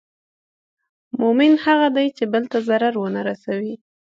مؤمن هغه دی چې بل ته ضرر نه رسوي.